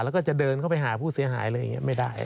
แล้วก็จะเดินเข้าไปหาผู้เสียหายเลยไม่ได้